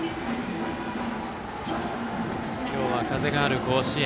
今日は風がある甲子園。